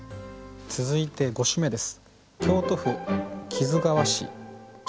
続いて５首目です。